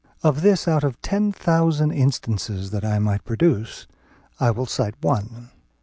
Of this out of ten thousand instances that I might produce, I will cite one.